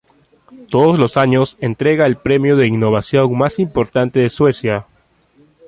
Todos los años entrega el premio de innovación más importante de Suecia.